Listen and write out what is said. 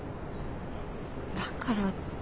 だからって。